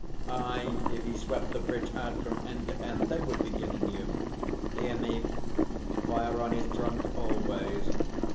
Ay, if ye swept the bridge out from end to end they would begin anew. Hear me! Bhairon is drunk always.